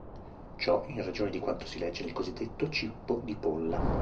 Ciò in ragione di quanto si legge nel cosiddetto "Cippo di Polla".